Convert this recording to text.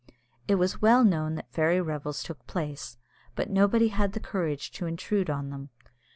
It was well known that fairy revels took place; but nobody had the courage to intrude on them.